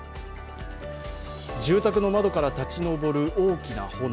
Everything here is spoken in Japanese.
住宅の窓から立ち上る大きな炎。